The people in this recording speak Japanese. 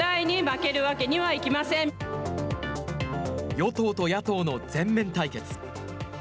与党と野党の全面対決。